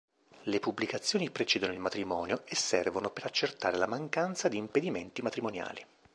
Le pubblicazioni precedono il matrimonio e servono per accertare la mancanza di impedimenti matrimoniali.